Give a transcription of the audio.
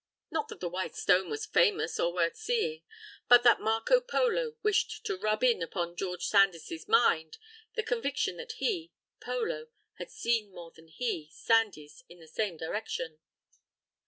Not that the white stone was famous or worth seeing, but that Marco Polo wished to "rub in" upon George Sandys's mind the conviction that he, Polo, had seen more than he, Sandys, in the same direction.